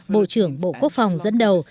bộ trưởng bộ quốc phòng dẫn đầu